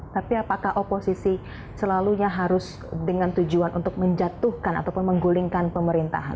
tapi apakah oposisi selalunya harus dengan tujuan untuk menjatuhkan ataupun menggulingkan pemerintahan